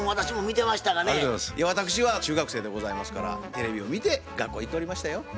私は中学生でございますからテレビを見て学校へ行っておりましたよ。